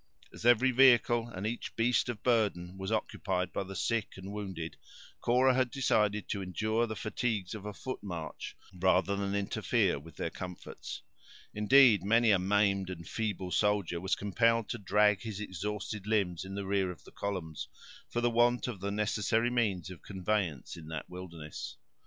As every vehicle and each beast of burden was occupied by the sick and wounded, Cora had decided to endure the fatigues of a foot march, rather than interfere with their comforts. Indeed, many a maimed and feeble soldier was compelled to drag his exhausted limbs in the rear of the columns, for the want of the necessary means of conveyance in that wilderness.